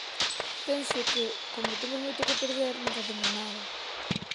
Penso que, como temos moito que perder, non facemos nada.